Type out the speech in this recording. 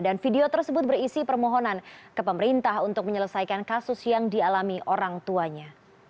dan video tersebut berisi permohonan ke pemerintah untuk menyelesaikan kasus yang dialami orang tuanya